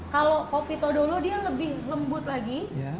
kalau kopi todolo dia lebih lembut lagi